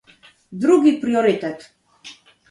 Drugi priorytet